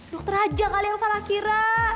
dokter aja kali yang salah kira